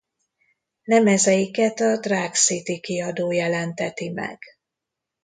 Lemezeiket a Drag City kiadó jelenteti meg.